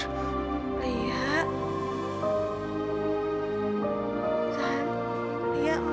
saat dia mana